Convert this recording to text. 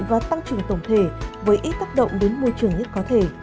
và tăng trưởng tổng thể với ít tác động đến môi trường nhất có thể